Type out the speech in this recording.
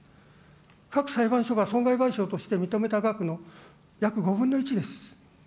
各裁判所が損害賠償として認めた額の約５分の１です。